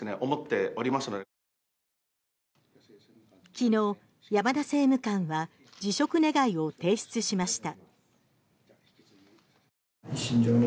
昨日、山田政務官は辞職願を提出しました。